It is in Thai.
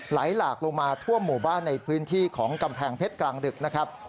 ไหลหลากลงมาทั่วหมู่บ้านในพื้นที่ของกำแพงเพชรกลางดึกนะครับ